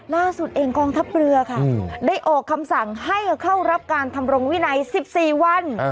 ล่าสุดเองกองทัพเรือค่ะได้ออกคำสั่งให้เข้ารับการทำรงวินัย๑๔วัน